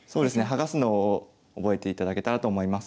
剥がすのを覚えていただけたらと思います。